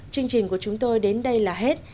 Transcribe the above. chương trình của chúng tôi đến đây là hết